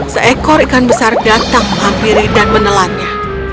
seekor ikan besar datang menghampiri dan menelannya